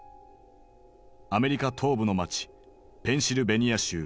アメリカ東部の街ペンシルベニア州